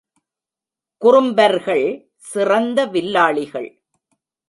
குறும்பர்கள் சிறந்த வில்லாளிகள்.